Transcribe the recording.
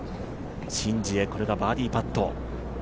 シン・ジエ、これがバーディーパット。